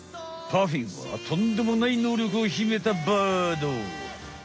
パフィンはとんでもないのうりょくをひめたバード！